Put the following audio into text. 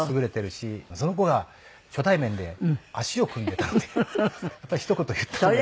その子が初対面で足を組んでたのでやっぱりひと言言った方が。